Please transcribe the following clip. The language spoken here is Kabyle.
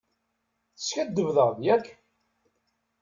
Teskaddbeḍ-aɣ-d, yak?